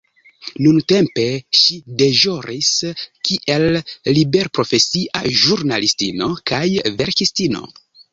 Nuntempe ŝi deĵoris kiel liberprofesia ĵurnalistino kaj verkistino.